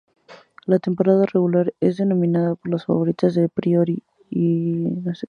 La temporada regular es dominada por las favoritas a priori, el Oviedo Moderno.